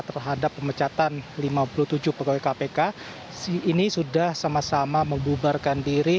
terhadap pemecatan lima puluh tujuh pegawai kpk ini sudah sama sama membubarkan diri